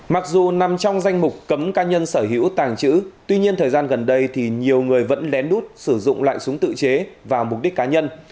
mặc dù nằm trong danh mục cấm cá nhân sở hữu tàng trữ tuy nhiên thời gian gần đây thì nhiều người vẫn lén lút sử dụng lại súng tự chế vào mục đích cá nhân